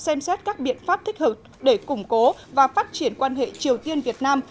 xem xét các biện pháp thích hợp để củng cố và phát triển quan hệ triều tiên việt nam